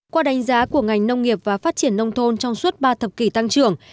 qua đánh giá của ngành nông nghiệp và phát triển nông thôn trong suốt ba thập kỷ tăng trưởng